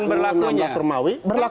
berlakunya jadi pak